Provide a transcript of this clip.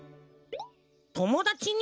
ともだちに？